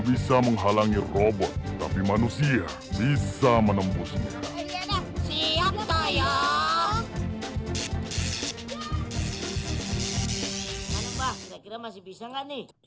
bisa menghalangi robot tapi manusia bisa menembusnya siap tolong masih bisa enggak nih